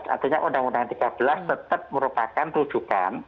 artinya undang undang tiga belas tetap merupakan rujukan